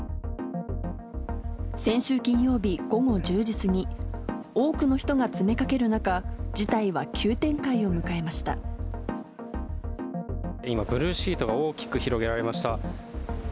先週金曜日午後１０時過ぎ、多くの人が詰めかける中、事態は今、ブルーシートが大きく広げられました。